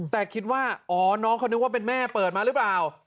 แต่คิดว่าอ๋อน้องเขานึกว่าเป็นแม่เปิดมาหรือเปล่า